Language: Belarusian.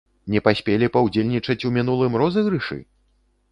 Не паспелі паўдзельнічаць у мінулым розыгрышы?